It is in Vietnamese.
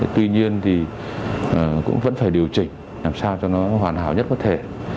tuy nhiên thì cũng vẫn phải điều chỉnh làm sao cho nó hoàn hảo nhất có thể